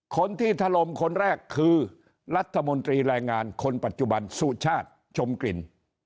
ทะลมคนแรกคือรัฐมนตรีแรงงานคนปัจจุบันสุชาติชมกลิ่น